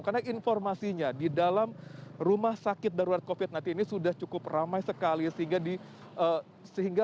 karena informasinya di dalam rumah sakit darurat covid sembilan belas ini sudah cukup ramai sekali sehingga terpaksa dilakukan sistem buka tutup kendaraan untuk bisa masuk ke dalam